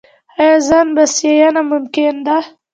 آیا ځان بسیاینه ممکن ده؟